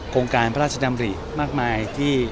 โครงการพระธรรมดิมากมายที่